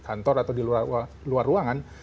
kantor atau di luar ruangan